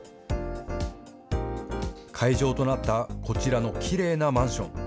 会場となったこちらのきれいなマンション。